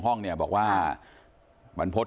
ก็คือยังผ่านร่างะ